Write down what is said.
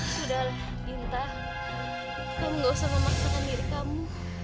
sudahlah lintang kamu gak usah memaksakan diri kamu